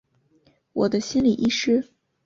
我的心理医师